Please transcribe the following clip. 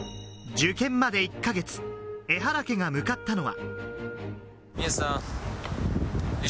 受験まで１か月、エハラ家が向かったのは。